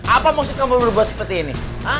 apa maksud kamu buat seperti ini